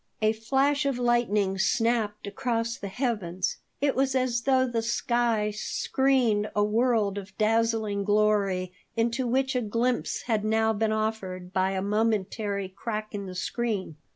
A flash of lightning snapped across the heavens. It was as though the sky screened a world of dazzling glory into which a glimpse had now been offered by a momentary crack in the screen.